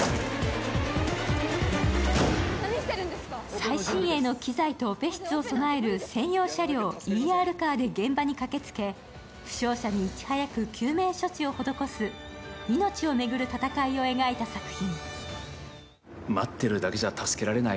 最新鋭の機材とオペ室を備える専用車両、ＥＲカーで現場に駆けつけ、負傷者にいち早く救命処置を施す命を巡る戦いを描いた作品。